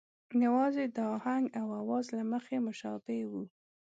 یوازې د آهنګ او آواز له مخې مشابه وو.